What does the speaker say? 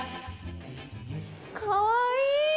かわいい！